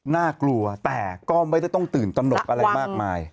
น่ากลัวแต่ก็ไม่ได้ต้องตื่นตนกอะไรมากมาย